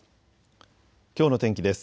きょうの天気です。